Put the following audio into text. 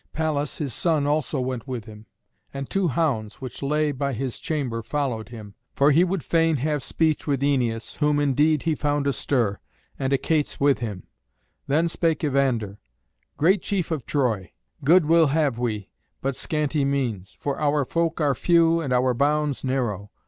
Pallas, his son, also went with him. And two hounds, which lay by his chamber, followed him. For he would fain have speech with Æneas, whom, indeed, he found astir, and Achates with him. Then spake Evander: "Great chief of Troy, good will have we, but scanty means; for our folk are few and our bounds narrow.